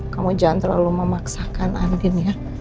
kamu jangan terlalu memaksakan andin ya